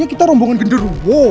ini kita rombongan gender